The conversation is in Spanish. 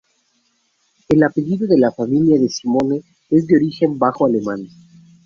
El apellido de la familia de Simone es de origen bajo alemán.